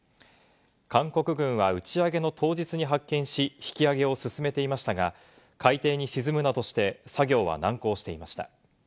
韓国軍は打ち上げの当日に発見し、引き揚げを進めていましたが、海底に沈むなどして、作業は難航していました。